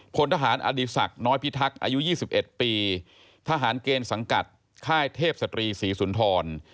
พลทหารอดีศักดิ์น้อยพิทักษ์อายุ๒๑ปีทหารเกณฑ์สังกัดค่ายเทพศตรีศรีสุนทร